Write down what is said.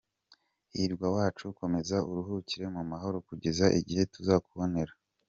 Hirwa wacu komeza uruhukire mu mahoro kugeza igihe tuzakubonera.